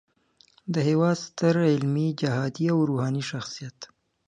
د هیواد ستر علمي، جهادي او روحاني شخصیت